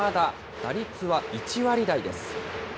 打率は１割台です。